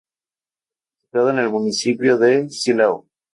Situado en el municipio de Silao.